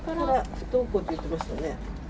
不登校って言ってましたね。